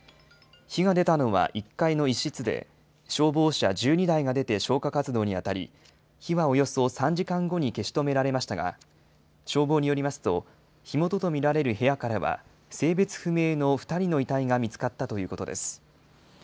火が出たのは１階の一室で、消防車１２台が出て消火活動に当たり、火はおよそ３時間後に消し止められましたが、消防によりますと、火元と見られる部屋からは、性別不明の２人の遺体が見つかったということです。